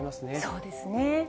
そうですね。